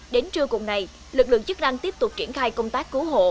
đến trưa cùng ngày lực lượng chức năng tiếp tục triển khai công tác cứu hộ